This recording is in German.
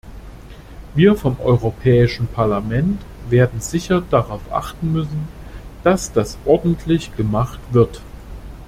Wir vom Europäischen Parlament werden sicher darauf achten müssen, dass das ordentlich gemacht wird.